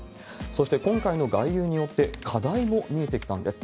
そして今回の外遊によって、課題も見えてきたんです。